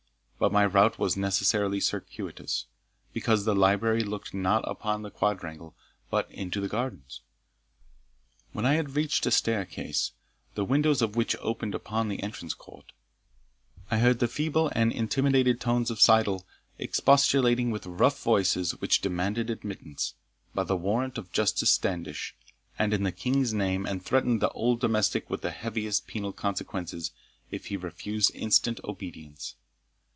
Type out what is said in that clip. But my route was necessarily circuitous, because the library looked not upon the quadrangle, but into the gardens. When I had reached a staircase, the windows of which opened upon the entrance court, I heard the feeble and intimidated tones of Syddall expostulating with rough voices, which demanded admittance, by the warrant of Justice Standish, and in the King's name, and threatened the old domestic with the heaviest penal consequences if he refused instant obedience.